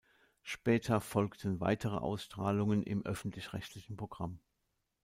Später folgten weitere Ausstrahlungen im öffentlich-rechtlichen Programm.